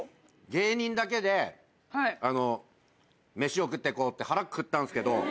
芸人だけで飯を食ってこうって腹くくったんですけど。